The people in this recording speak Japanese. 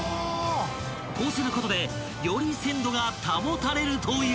［こうすることでより鮮度が保たれるという］